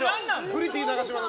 プリティ長嶋の。